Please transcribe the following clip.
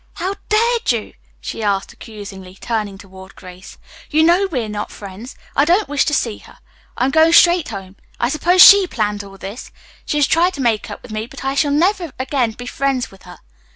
"How dared you?" she asked accusingly, turning toward Grace. "You know we are not friends. I don't wish to see her. I'm going straight home. I suppose she planned all this. She has tried to make up with me, but I shall never again be friends with her."